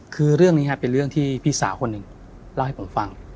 คือเรื่องนี้เป็นเรื่องที่พี่สาวคนหนึ่งเล่าให้ผมฟัง